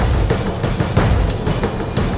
แล้วนี่ของเนี่ย